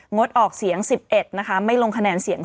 งดออกเสียง๑๑นะคะไม่ลงคะแนนเสียง